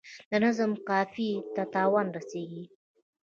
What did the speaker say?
د نظم قافیې ته تاوان رسیږي.